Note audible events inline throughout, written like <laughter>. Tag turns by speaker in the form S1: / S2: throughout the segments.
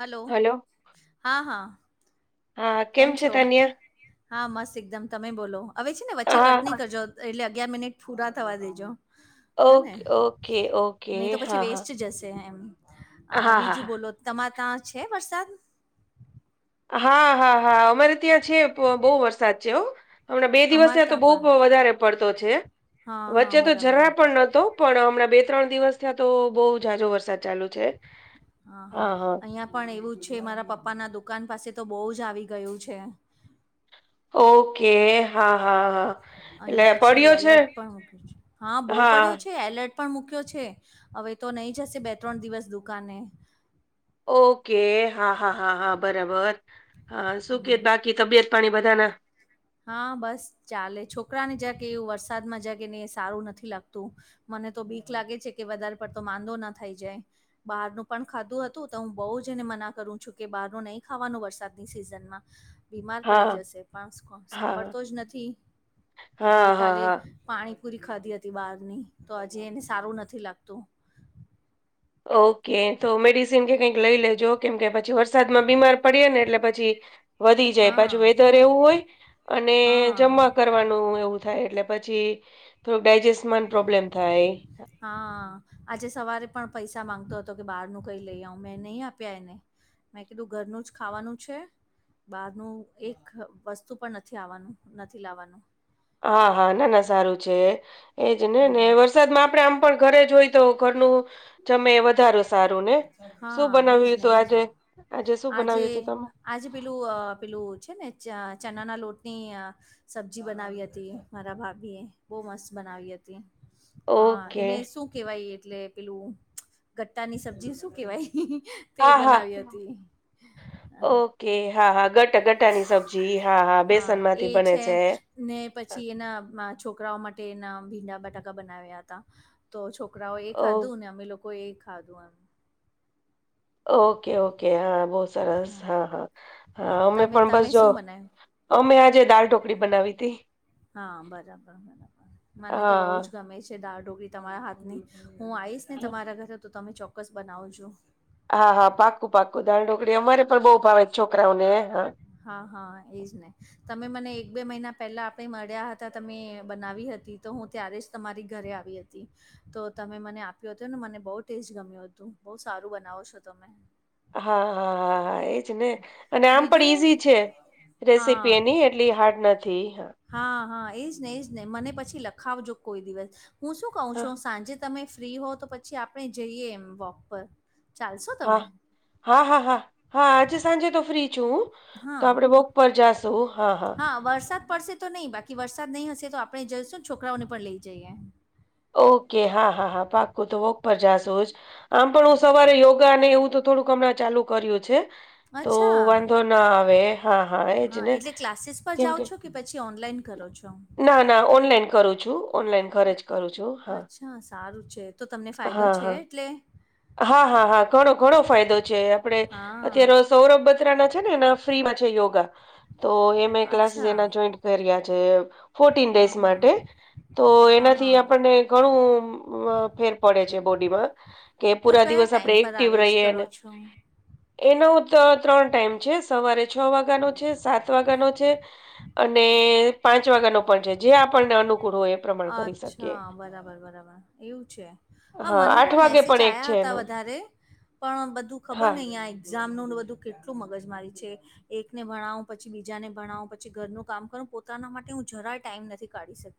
S1: Hello હા હા
S2: હા
S1: કેમ
S2: છે
S1: છો
S2: તાનિયા
S1: હા મસ્ત એકદમ તમે બોલો હવે છે ને વચ્ચે કટ નહી
S2: હા
S1: કરજો એટલે અગિયાર મિનિટ પૂરા થવા દેજો હે ને
S2: ઓકે ઓકે ઓકે
S1: નહી, તો પછી
S2: હા હા
S1: વેસ્ટ જશે એમ અ
S2: હા હા
S1: બીજું
S2: હા
S1: બોલો તમારે ત્યાં છે. વરસાદ
S2: હા હા હા અમારે ત્યાં છે બહ બહુ વરસાદ છે. હમણાં બે દિવસે
S1: અમારે
S2: તો
S1: ત્યાં
S2: બહુ
S1: પણ
S2: વધારે પડતો છે.
S1: હા હા
S2: વચ્ચે તો
S1: બરાબર
S2: જરા પણ નહોતો પણ હમણાં બે ત્રણ દિવસ ત્યાં તો બહુ જાજો વરસાદ ચાલુ છે.
S1: હા-હા
S2: હા હા
S1: અહિયાં પણ એવું છે, મારા પપ્પા ના દુકાન પાસે તો બહુ જ આવી ગયું છે.
S2: ઓકે હા હા હા એટલે
S1: અહિયાં પછી
S2: પડ્યો છે
S1: એલર્ટ પણ, ઉઠું છે. હા બહુ પડ્યો છે એલર્ટ પણ મૂક્યો છે હવે તો નહી, જશે બે ત્રણ દિવસ દુકાને
S2: ઓકે, હા, હા, હા, હા, બરાબર. હા, શું કે
S1: હમ
S2: બાકી? તબિયત પાણી બધા ના
S1: હા, બસ ચાલે. છોકરાને જાગ, એવું વરસાદમાં જાગ ને સારું નથી લાગતું. મને તો બીક લાગે છે, કે વધારે પડતો માંંદો ના થાય જાય બહારનું પણ ખાધું હતું, તો હું બહુ જ એને મના કરું છું કે, બહારનું નહીં ખાવાનું વરસાદની સિઝનમાં બીમાર પડી
S2: હા
S1: જશે, પણ
S2: હા
S1: સાંભળતો જ નથી, ગઈ
S2: હા, હા,
S1: કાલે.
S2: હા.
S1: પાણીપુરી ખાધી હતી બહારની, તો હજી એને સારું નથી લાગતું.
S2: ઓકે, તો મેડિસિન કે કઈક લઈ લેજો, કેમ કે પછી વર્ષ વરસાદ માં બીમાર પડે ને, એટલે પછી વધી જાય, પાછુ
S1: હા
S2: વેધર એવું હોય અને
S1: હા
S2: જમા કરવાનું એવું થાય, એટલે. પછી થોડક ડાયજેસ્ટમાં પ્રોબ્લેમ થાય
S1: હા, આજે સવારે પણ પૈસા માંગતો હતો કે બહારનું કંઈ લઈ આવ. મેં નહી આપ્યા એને મેં કીધું ઘરનું જ ખાવાનું છે. બહારનું એક વસ્તુ પણ નથી આવવાનું, નથી લાવવાનું
S2: હા, હા. ના, ના.
S1: હમ
S2: સારું છે, એજ ને, ને એ વર્ષ.
S1: હમ
S2: વરસાદમાં આપણે આમ પણ ઘરે હોઈએ, તો ઘરનું જમે સારું, સારું ને. શું
S1: હા એજ
S2: બનાવ્યું
S1: ને
S2: તું
S1: એજ
S2: આજે?
S1: ને
S2: આજે શું બનાવ્યું તું, તમે
S1: આજે પેલું, પેલું છે ને, ચણાના લોટની સબ્જી બનાવી હતી મારા ભાભીએ. બહુ મસ્ત બનાવી હતી હ,
S2: ઓકે.
S1: એને શું કેવાય? એટલે પેલુ ગટ્ટા ની સબ્જી શું કેવાય તે
S2: હા, હા.
S1: બનાવી હતી
S2: ઓકે. હા, હા ગટ ગટા ની સબ્જી. હા, હા. બેસન માંથી બને છે.
S1: ને
S2: હા.
S1: પછી એના છોકરાઓ માટે, એના ભીંડા-બટાકા બનાવ્યા હતા. તો છોકરાઓ એ
S2: ઓ
S1: ખાધું ને, અમે લોકો એ ખાધું, એમ
S2: ઓકે, ઓકે. હા, બહુ સરસ.
S1: હમ
S2: હા, હા, હા. અમે
S1: તમે
S2: પણ બસ
S1: તમે
S2: જો
S1: શું બનાવ્યું
S2: અમે આજે દાલ ઢોકળી બનાવી તી
S1: હા, બરાબર, બરાબર. મને તો
S2: હા.
S1: બહુ જ ગમે છે. દાળ ઢોકળી તમારા હાથ ની. હુ આવીશ ને
S2: હા
S1: તમારા ઘરે, તો તમે ચોક્કસ બનાવજો
S2: હા, હા. પાક્કું, પાક્કું. દાળ ઢોકળી અમારે પણ બઉુ ભાવે છે, છોકરાઓને. હા
S1: હા, હા. એજ ને. તમે મને એક-બે મહિના પહેલા આપણે મળ્યા હતા, તમે બનાવી હતી તો હુ, ત્યારે જ તમારી ઘરે આવી હતી. તો તમે મને આપ્યો હતો ને. મને બહુ ટેસ્ટ ગમ્યું હતું. બહુ સારું બનાવો છો. તમે
S2: હા, હા, હા, હા. એજ ને. અને આમ પણ
S1: બીજું હું
S2: ઈઝી છે. રેસીપી
S1: હા
S2: એની એ હાર્ડ નથી.
S1: હા, હા. એજ ને, એજ‌. નહીં, મને પછી લખાવજો કોઈ દિવસ. હું શું કઉ છુ, સાંજે. તમે ફ્રી હો, તો પછી આપણે જઈએ, એમ વોક પર ચાલશો
S2: હા,
S1: તમે
S2: હા, હા, હા, હા. આજે સાંજે તો ફ્રી છુ હું. તો આપડે બોક પર જાશું. હા, હા
S1: વરસાદમાં પડશે તો નહીં. બાકી, વરસાદ નહીં હશે તો આપણે જઈશું ને? છોકરાઓને પણ લઈ જઈએ.
S2: ઓકે, હા હા હા, પાક્કું તો વોક પર જાશું જ. આમ પણ હું
S1: હા
S2: સવારે યોગાને એવું તો થોડુંક હમણાં ચાલુ કર્યું છે. તો
S1: અચ્છા
S2: વાંધો ના આવે. હા હા, એજ ને!
S1: એટલે ક્લાસીસ પર
S2: કેમ
S1: જાઓ
S2: કે
S1: છો કે પછી ઓનલાઈન કરો છો?
S2: ના ના, ઓનલાઈન કરું છું. ઓનલાઈન,
S1: અ-
S2: ઘરે જ. કરું છું. હા,
S1: અચ્છા, સારું છે. તો તમને ફાયદો
S2: હા,
S1: છે,
S2: હા.
S1: એટલે
S2: હા હા હા, ઘણો ઘણો ફાયદો છે. આપડે
S1: હા
S2: અત્યારે સૌરવ બથડા ના છે ને? એના ફ્રીમાં છે યોગા, તો એ મે ક્લાસ
S1: અચ્છા
S2: જોયા. કર્યા છે, ફોર્ટીન
S1: હા
S2: ડેઝ
S1: હા
S2: માટે. તો
S1: હા હા
S2: એનાથી આપણને ઘણું ફેર પડે છે બોડીમાં. કે
S1: તો
S2: પૂરા
S1: કયા
S2: દિવસ આપડે
S1: ટાઈમ પર
S2: એક્ટિવ
S1: આવેશ
S2: રહીએ
S1: કરો
S2: ને.
S1: છો?
S2: એનો તો ત્રણ ટાઈમ છે સવારે છ વાગ્યાનો છે સાત વાગ્યાનો છે અને પાંચ વાગ્યા ન પણ છે જે આપણને અનુકૂળ હોય એ પ્રમાણે કરી શકીએ
S1: અચ્છા બરાબર બરાબર એવું છે હા મને
S2: આઠ
S1: પણ
S2: વાગે
S1: મેસેજ
S2: એક
S1: આવયા
S2: છે
S1: હતા
S2: એનો
S1: વધારે પણ બધું ખબર
S2: હા
S1: નહ અં એક્ઝામ ન બધું કેટલું મગજ મારી છે. એકને ભણાવું પછી બીજાને ભણાવ પછી ઘરનું કામ કરું પોતાના માટે હું જરાય ટાઈમ નથી કાઢીક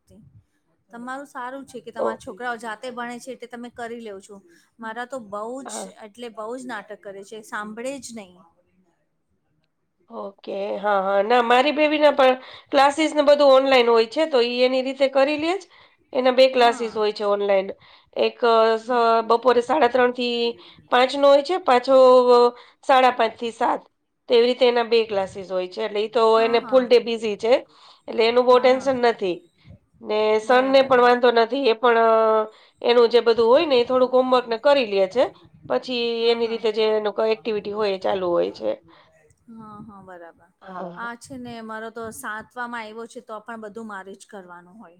S1: તમારું સારું છે કે
S2: ઓ
S1: તમારા છોકરાઓ જાતે ભણે છે એ તમે કરી લઉ છો. મારા તો બહુ જ
S2: હા
S1: એટલે બહુ જ નાટક કરે છે સાંભળે જ નહીં.
S2: ઓકે હા હા ના મારી બેવી ના પણ ક્લાસીસ ને બધું ઓનલાઈન હોય છે તો એ એની રીતે કરી લે જ એના બે
S1: હા
S2: ક્લાસીસ હોય છે ઓનલાઈન. એક બપોરે સાડા ત્રણ થી પાંચ નો હોય છે પાછો સાડા પાંચ થી સાત તો એવી રીતે એના બે ક્લાસીસ હોય છે એટલે એ તો
S1: હા
S2: એને
S1: હા
S2: ફૂલ ડે બિઝી છે એટલે એનું બહ
S1: હા હા
S2: ટેન્શન નથી. ને સન ને
S1: બરાબર
S2: પણ વાંધો નથી એ પણ એનું જે બધું હોય ને એ થોડુંક હોમવર્ક ને કરી લે છે પછી
S1: હા
S2: એની
S1: હા.
S2: રીતે જે એક્ટિવિટી હોય ચાલુ હોય છે.
S1: હા હા બરાબર
S2: હા
S1: આ છે ને મારો તો સાતવામાં આવ્યો છે તો પણ બધું મારે જ કરવાનું હોય.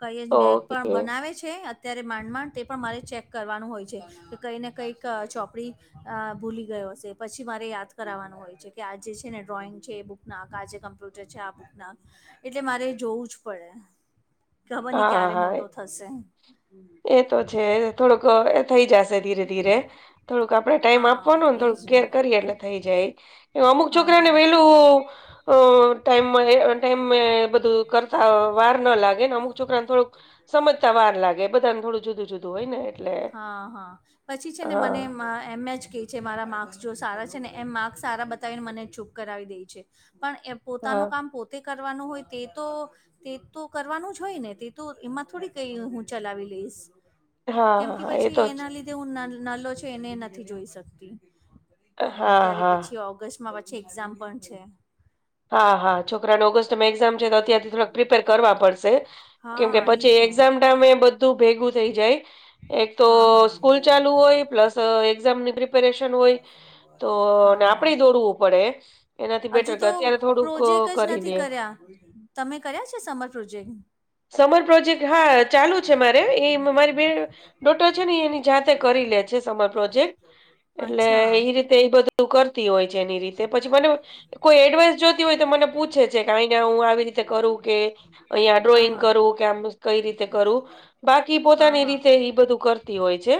S1: કઈ બેગ પણ
S2: ઓકે.
S1: બનાવે છે અત્યારે માંડ માંડ તે પણ મારે ચેક કરવાનું હોય છે. કે કઈ ને કઈક ચોપડી અ ભૂલી ગયો હશે પછી મારે યાદ કરાવાનું હોય છે કે આ જે છે ને ડ્રોઈંગ છે એ બુક ના આજે કમ્પ્યુટર છે આ બુક નાંક એટલે મારે જોવું જ પડે ખબર નહી
S2: હા,
S1: ક્યારે
S2: હા.
S1: મોટો થશે.
S2: એ તો છે થોડોક થઈ જશે ધીરે ધીરે થોડુંક આપડણે ટાઈમ
S1: હા
S2: આપવાનોને થોડુંક
S1: એજ ને
S2: કેર કરીએ એટલે થઈ જાય. અમુક
S1: હા
S2: છોકરાને
S1: હા
S2: વેલું અ ટાઈમ ટાઈમ બધું કર ત વાર ન લાગે ને અમુક છોકરાને થોડુંક સમજતા વાર લાગે બધાને થોડું જુદું જુદું હોય ને એટલે.
S1: હા હા પછી છે ને મને
S2: હા,
S1: એમ એ જ કહે છે. મારા માર્ક્સ જો સારા છે ને એમ માર્ક્સ સારા બતાવીને મને ચૂપ કરાવી દે છે. પણ એ પોતાનું
S2: હા.
S1: કામ પોતે કરવાનું હોય તે તો તે તો કરવાનું જ હોય ને તે તો એમાં થોડી કઈ હું ચલાવી લઈશ.
S2: હા,
S1: કેમ
S2: હા.
S1: કે
S2: હા, એ તો
S1: પછી
S2: જ.
S1: એના લીધે હું નલો છ એને નથી જોઈ શકતી.
S2: હા,
S1: અત્યારે
S2: હા.
S1: પછી ઓગસ્ટમાં એક્ઝામ પણ છે.
S2: હા હા છોકરાને ઓગ સ્ટ છે. તો અતારથી થોડાક પ્રિપેર કરવા પડશે કેમ કે
S1: હા એજ
S2: પછી
S1: ને
S2: એક્ઝામ ટાઈમે ધું ભેગું થઈ જાય. એક તો
S1: હા હા
S2: સ્કૂલ ચાલુ હોય પ્લસ એક્ઝામની પ્રિપેરેશન હોય. તો
S1: હા
S2: આપડે દોડવું પડે એનાથી
S1: હજુ
S2: બેટર
S1: તો
S2: અત્યારે થોડુંક અ,
S1: પ્રોજેક્ટ જ
S2: કરી
S1: નથી
S2: લે.
S1: કર્યા તમે કર્યા છે, સમર પ્રોજેક્ટ
S2: સમર પ્રોજેક્ટ હા ચાલુ છે. મારે એ મારી બે ડોટો છે ને એની જાતે કરી લે છે. સમર પ્રોજેક્ટ એટલે
S1: અચ્છા
S2: એ રીતે એ બધું કર હોય છે. એની
S1: હા
S2: રી પછી
S1: હા હા
S2: મ કોઈ એડવા જો હોય તો મને પૂછે છે, કે અહી હું આવી રીતે કરું કે અહીંયા ડ્રોઈંગ કરું કેમ કઈ રીતે કરું બાકી પોતાની
S1: હા
S2: રીતે, એ બધું કરતી હોય છે.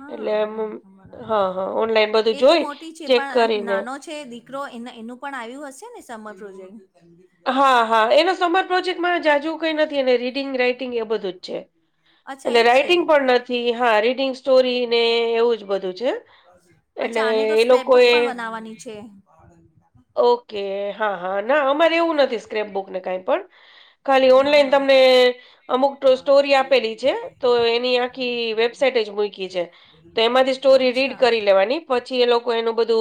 S1: હા હા
S2: એટલે
S1: હા બરાબર
S2: હા-હા ઓનલાઈન બધું
S1: એ તો
S2: જોઈ
S1: મોટી છે
S2: ચેક
S1: પણ
S2: કરીને
S1: નાનો છે. દીકરો એનું પણ આવ્યું હશે ને સમર પ્રોજેક્ટ
S2: હા-હા એનો સમર પ્રોજેક્ટમાં જાજવું કઈ નથી એ રીડિંગ રાઈટિંગ એ બધું જ છે.
S1: અચ્છા
S2: એટલે
S1: એ
S2: રાઈટિંગ પણ નથી હા રીડિંગ સ્ટોરી ને એવું જ બધું છે. એટલે
S1: અચ્છા આને તો
S2: એ
S1: સ્ક્રેપ
S2: લોકો
S1: બુક
S2: એ
S1: પણ બનાવવાની છે.
S2: ઓકે હા હા ના અમારે એવું નથી, સ્ક્રેપ બુકને કાઈ પણ ખાલી
S1: હા
S2: ઓનલાઈન
S1: હા
S2: તમને અમુક સ્ટોરી આપેલી છે. તો એની આખી વેબસાાઈટ જ મુ તો એમાંથી, સટોરી રીડ
S1: અચ્છા
S2: કરી લેવાની પછી એ લોકો એનું બધુ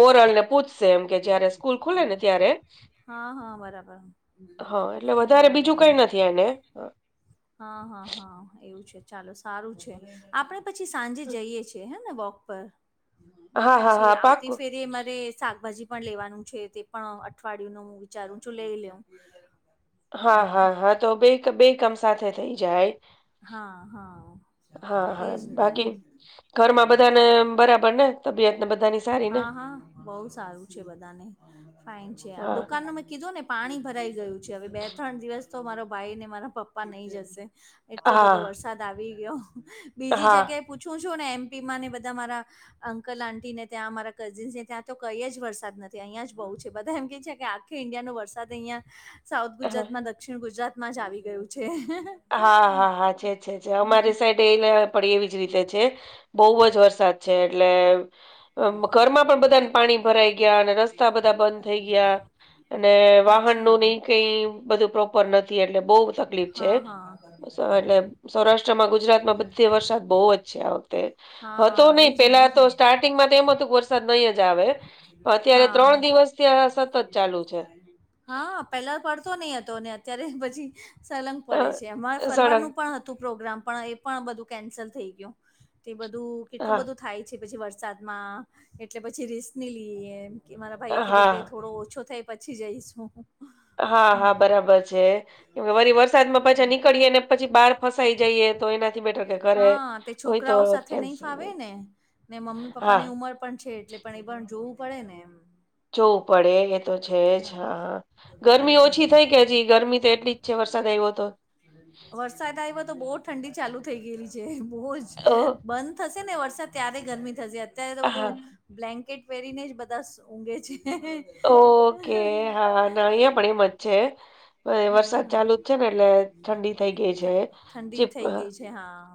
S2: મોરલ ને પૂછશે, એમ કે જયારે સ્કૂલ ખુલે ને ત્યારે
S1: હા-હા બરાબર
S2: હા, એટલે વધારે
S1: બરાબર
S2: બીજું કઈ નથી, એને
S1: હા હા હા એવું છે ચાલો સારું છે. આપણે પછી સાંજે જઈએ છીએ, હ ને વોક પર
S2: હા, હા.
S1: પછી
S2: હા,
S1: આવતી
S2: પાક્કું.
S1: ફેરી, મારે શાકભાજી પણ લેવાનું છે. તે પણ અઠવાડયું નું હું વિચારું છું લઈ લેઉ એમ
S2: હા-હા-હા તો બે બે કમ સાથે થઇ જાય
S1: હા હા
S2: હા-હા
S1: એજ ને
S2: બાકી ઘરમાં બધાને બરાબર ને તબિયત ને બધાની સારી ને?
S1: હા-હા બહ સારું છે. બધાને ફાઈન છે,
S2: હા,
S1: દુકાન ન કીધું ને પાણી ભરાઈ ગયું છે, હવે બે ત્રણ દિવસ તો મારો ભાઈ ને મારા પપ્પા નહી, જશે એટલો બધો
S2: હા,
S1: વરસાદ આવી ગયો, બીજી
S2: હા.
S1: જગ્યાએ પૂછું છું ને એમપી માં ને બધા મારા અંકલ આટી ને ત્યાં અમારા કઝિન્સને ત્યાં તો કઈ જ વરસાદ નથી અહીં જ બહુ છે, બધા એમ કે છે, કે કે ઈન્ડિયા નો વરસાદ અહિયાં સાઉથ
S2: હા
S1: ગુજરાતમાં દક્ષિણ ગુજરાતમાં જ આવી ગયું છે.
S2: હા-હા-હા છે છે છે, અમારી સાઈડ એ પડી એવી જ રીતે છે. બહુ જ વરસાદ છે. એટલે ઘરમાં પણ બધાને પાણી ભરાઈ ગયા, અને રસ્તા બધા બંધ થઈ ગયા અને વાહન
S1: અચ્છા
S2: નું નહી, કઈ બધું પ્રોપર નથી એટલે બહુ તકલીફ છે.
S1: હા હા
S2: એટલે સૌરાષ્ટ્રમાં ગુજરાતમાં બધે વરસાદ બહુ જ છે, આ વખતે હતો
S1: હા
S2: નહી
S1: એજ ને
S2: પેલા
S1: એજ
S2: તો
S1: ને
S2: સ્ટાર્ટિંગમાં તો એમ હતું વરસાદ નહી, જ આવે અત્યારે
S1: હા.
S2: ત્રણ દિવસ થી આ સતત ચાલુ છે.
S1: હા પેલા પડતો નઈ, હતો અત્યારે પછી સલંગ પડે છે. અમારે
S2: સળંગ
S1: ફરવાનું પણ હતું પ્રોગ્રામ પણ એ પણ બધું કેન્સલ થઈ ગયુ, તે બધું કેટલું
S2: હા
S1: બધું થાય છે. પછી વરસાદમાં એટલે પછી રીસ ની લઈએ કે મારા ભાઈ એ કીધું,
S2: હા
S1: કે થોડો ઓછો થાય પછી જઈશ હુ
S2: હા-હા બરાબર છે. કેમ વરી વરસાદમાં પાછા નીકળીએે ને પછી બહાર ફસાઈ જઈએ તો એનાથી બેટર કે ઘરે
S1: હા તે
S2: હોય તો
S1: છોકરાઓ સાથે નહી,
S2: કેન્સલ
S1: ફાવે
S2: નહીં.
S1: ને ને મમ્મી
S2: હા
S1: પપ્પાની ઉંમર પણ છે, એટલે પણ એ પણ જોવું પડે ને એમ
S2: જોવું પડે તો છે જ
S1: હા
S2: હાા
S1: એજ
S2: ગરમી ઓછી
S1: ને.
S2: થઈ કે હજી ગરમી તો એટલી જ છે. વરસાદ આવ્યો તો
S1: વરસાદ આવ્યો તો બહુ ઠંડી ચાલુ થઈ ગયેલી છે. બહુ જ
S2: ઓ
S1: બંધ થશે ને વરસાદ ત્યારે ગરમી, થશે અત્યારે તો
S2: હા.
S1: બધું બ્લેન્કેટ પહેરીને જ બધા ઊંઘે છે.
S2: ઓકે
S1: હા
S2: હા ના અહં પણ એ મજ છે. હવે વરસાદ
S1: હા-હા
S2: ચાલુ જ છે ને એટલે ઠંડી થઈ ગઈ છે.
S1: ઠંડી
S2: ચીપ
S1: થઇ ગઈ છે, હા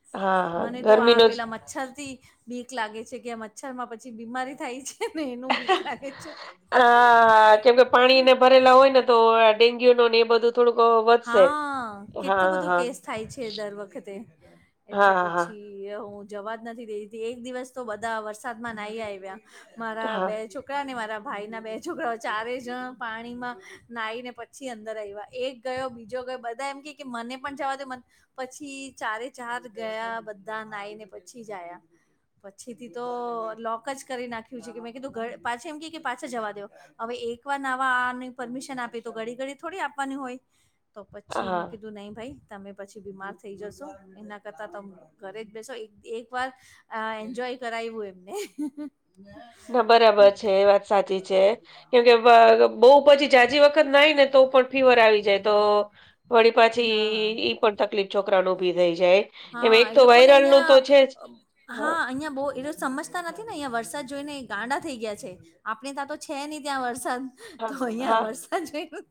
S2: હા હા
S1: મને તો આ
S2: ગરમીનો જ
S1: પેલા મચ્છર થી બીક લાગે છે, કે આ મચ્છર માં પછી બીમારી થાય છે. નુંું, વીકલા કેેો
S2: હા ડેન્્યુ એ બધું થોડુંક વધશે.
S1: હા કેટલોું
S2: હા
S1: બધું
S2: હા
S1: કેસ થાય છે, દર વખતે એટલે
S2: હા હા
S1: પછી હુ જવાજ નથી, દે એક દિવસ તો બધા વરસાદ માં નાહી, આવ્યા મારા
S2: હા
S1: બે ચ છોકરા, ને મારા ભાઈના બે છોકરાઓ ચારેય જણ પાણીમાં નાઈને પછી અંદર આવ્યા એક ગયો બીજો ગયો બધા એમ કે કે મને પણ જવા દ પછી ચારે ચાર ગયા, બધા નાઈને પછી જયા પછી થી તો લોક જ કરી નાખ્યું છે. કે મેં કીધું ઘ પાછી એમ કે કે પાછા જવા દો હવે એક વાર નવા આની પરમિશન આપી તો ઘડી ઘડી થોડી આપવાની હોય. તો પછી મેં
S2: હા
S1: કીધું નહી ભાઈ તમે પછી બીમાર થઈ જશો, એના કરતાં તમ ઘરે જ બેસો એક વાર અ એન્જોય કરાવું એમને
S2: ના બરાબર છે. એ વાત સાચી છે. કેમ કે બહુ પછી જાજી વખત નાઈ, ને તો પણ ફીવર આવી જાય. તો વળી
S1: હા
S2: પાછી. પણ તકલીફ છોકરા નુ ઉભી થઈ જાય. એમ
S1: હા,
S2: એક
S1: એ
S2: તો
S1: લોકોને
S2: વાયરલ નું તો
S1: અહિયાં
S2: છે જ
S1: હા અહિયાં બો સમજતા નથી ને અહીંયા વરસાદ જોઈ ને ગાંડા થઈ ગયા છે. આપણે ત્યાં તો છે નહી. ત્યાં વરસાદ
S2: હા
S1: તો અહિયાં
S2: હા
S1: વરસાદ જોય.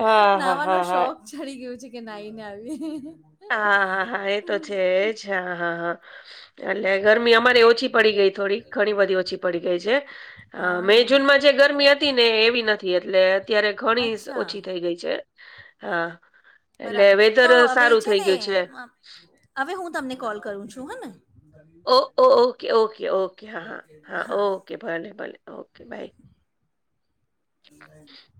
S2: હા હા
S1: નાહવાનો
S2: હા હા
S1: શોખ ચડી ગયું છે. કે નાઈને આવીયે
S2: હા, હા, હા એ તો છેજ, હા હા, હા એટલે ગરમી અમારે ઓછી પડી ગઈ થોડી ઘણી બધી ઓછી પડી ગઈ છે. મે,
S1: હા
S2: જૂનમાં જે ગરમી હતી. ને એવી નથી. એટલે અત્યારે ઘણી
S1: અચ્છા
S2: ઓછી થઈ ગઈ છે. હા એટલે
S1: બરાબર
S2: વેધર
S1: તો હવે
S2: સારું થઈ
S1: છેને.
S2: ગયું છે.
S1: હવે હું તમને કોલ કરું છુ હને
S2: ઓ ઓ ઓકે ઓકે ઓકે હા હા હા ઓકે ભલે ભલે ઓકે બાય
S1: <inaudible>